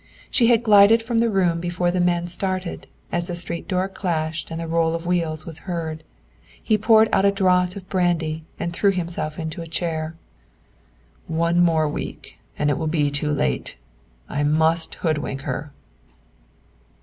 She had glided from the room before the man started, as the street door clashed and the roll of wheels was heard. He poured out a draught of brandy and threw himself into a chair. "One week more and I would be too late. I must hoodwink her!"